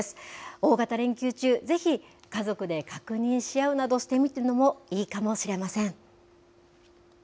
大型連休中、ぜひ家族で確認し合うなどしてみるのもいいかもしれません。